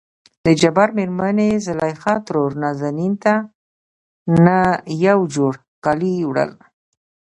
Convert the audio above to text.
دجبار مېرمنې زليخا ترور نازنين ته نه يو جوړ کالي وړل.